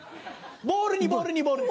ボールにボールにボールに。